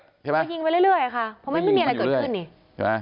มันก็ยิงไปเรื่อยค่ะอยู่เรื่อย